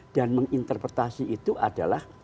dan menginterpretasi itu adalah